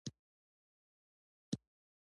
غوږونه د خیر خبره خوښوي